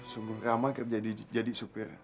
sungguh rama kerja jadi supir